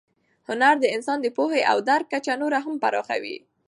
هنر د انسان د پوهې او درک کچه نوره هم پراخوي.